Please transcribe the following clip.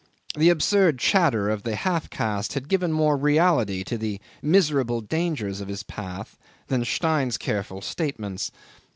The absurd chatter of the half caste had given more reality to the miserable dangers of his path than Stein's careful statements.